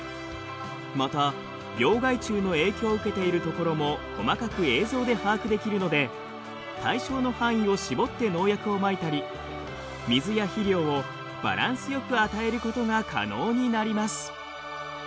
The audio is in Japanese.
また病害虫の影響を受けている所も細かく映像で把握できるので対象の範囲を絞って農薬をまいたり水や肥料をバランスよく与えることが可能になります。